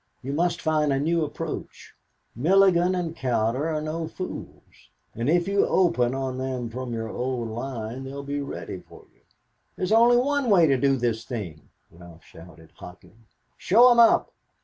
You must find a new approach. Mulligan and Cowder are no fools, and if you open on them from your old line, they'll be ready for you." "There's only one way to do this thing," Ralph shouted hotly. "Show 'em up.